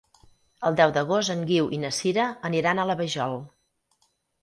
El deu d'agost en Guiu i na Sira aniran a la Vajol.